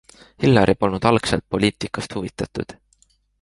Hillary polnud algselt poliitikast huvitatud.